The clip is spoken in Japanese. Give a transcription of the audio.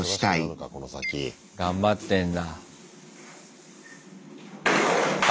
頑張ってんだ。